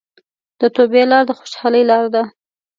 د توبې لار د خوشحالۍ لاره ده.